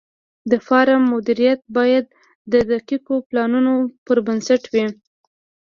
د فارم مدیریت باید د دقیقو پلانونو پر بنسټ وي.